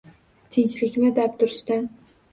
Tinchlikmi? Dabdurustdan.